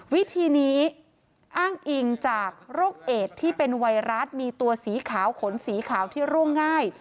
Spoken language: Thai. วิธีนี้อ้างอิงจากโรคเอดที่เป็นไวรัสมีตัวสีขาวขนสีขาวที่ร่วงง่าย